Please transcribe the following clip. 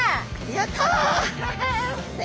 やった！